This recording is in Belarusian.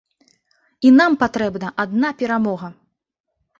І нам патрэбна адна перамога!